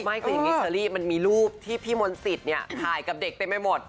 ไม่คืออย่างนี้เซอรี่มันมีรูปที่พี่มนธิษฐศิษย์สิถ่ายกับเด็กทั้งไม่หมด